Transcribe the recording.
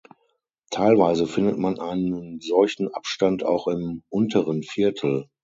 Teilweise findet man einen solchen Abstand auch im unteren Viertel.